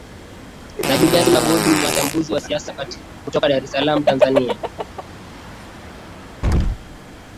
ni julius magodi mchambuzi wa siasa kutoka dar es salam tanzania